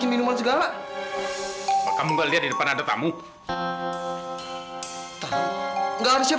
ini dia yang aku cari cari